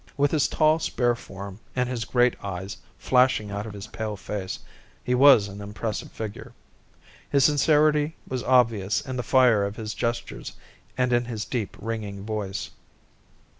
With his tall, spare form, and his great eyes flashing out of his pale face, he was an impressive figure. His sincerity was obvious in the fire of his gestures and in his deep, ringing voice.